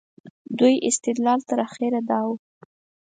دوی استدلال تر اخره دا و.